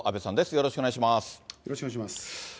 よろしくお願いします。